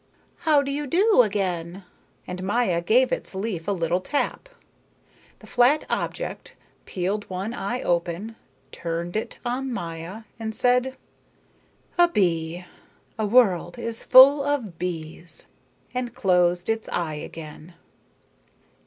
"How do you do, again?" And Maya gave its leaf a little tap. The flat object peeled one eye open, turned it on Maya, and said: "A bee. The world is full of bees," and closed its eye again.